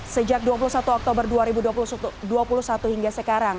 sejak dua puluh satu oktober dua ribu dua puluh satu hingga sekarang